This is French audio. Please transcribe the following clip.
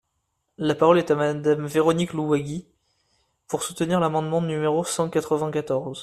La parole est à Madame Véronique Louwagie, pour soutenir l’amendement numéro cent quatre-vingt-quatorze.